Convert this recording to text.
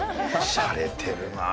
しゃれてるなぁ。